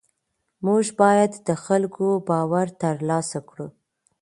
موږ باید د خلکو باور ترلاسه کړو.